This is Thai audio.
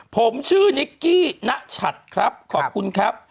ผมชื่อนิกกี้นชัดครับขอบคุณครับ